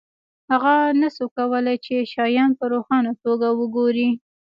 هغه نشوای کولی چې شیان په روښانه توګه وګوري